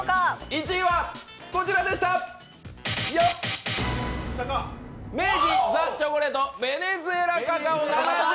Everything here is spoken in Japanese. １位は明治ザ・チョコレートベネズエラカカオ７０！